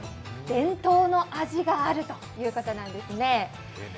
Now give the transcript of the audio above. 伝統の味があるということなんです。